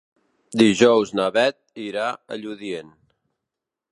Dijous na Bet irà a Lludient.